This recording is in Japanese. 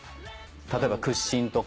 例えば屈伸とか。